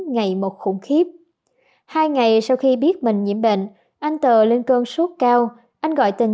ngày một khủng khiếp hai ngày sau khi biết mình nhiễm bệnh anh tờ lên cơn suốt cao anh gọi tình